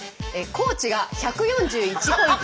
高知が１４１ポイント